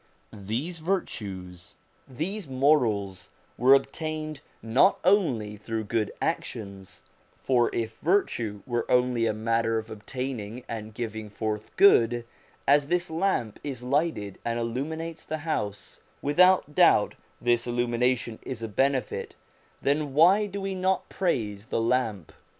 These virtues, these morals, were obtained not only through good actions, for if virtue were only a matter of obtaining and giving forth good, as this lamp is lighted and illuminates the house without doubt this illumination is a benefit then why do we not praise the lamp